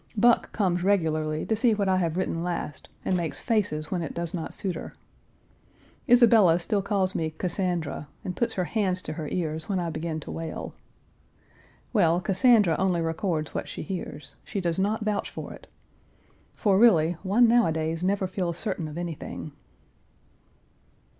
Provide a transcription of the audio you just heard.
Buck comes regularly to see what I have written last, and makes faces when it does not suit her. Isabella still calls me Cassandra, and puts her hands to her ears when I begin to wail. Well, Cassandra only records what she hears; she does not vouch for it. For really, one nowadays never feels certain of anything.